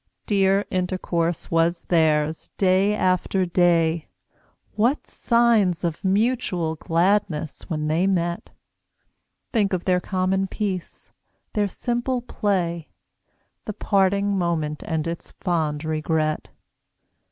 Dear intercourse was theirs, day after day; What signs of mutual gladness when they met! Think of their common peace, their simple play, The parting moment and its fond regret.